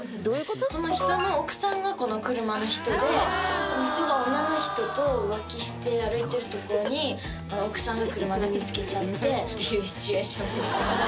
この人の奥さんがこの車の人でこの人が女の人と浮気して歩いてるところに奥さんが車で見つけちゃってっていうシチュエーションです